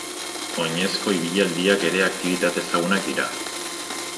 Oinezko ibilaldiak ere aktibitate ezagunak dira.